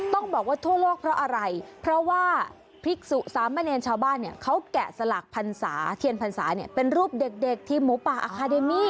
ต้องบอกว่าทั่วโลกเพราะอะไรเพราะว่าภิกษุสามเณรชาวบ้านเนี่ยเขาแกะสลักพรรษาเทียนพรรษาเนี่ยเป็นรูปเด็กทีมหมูป่าอาคาเดมี่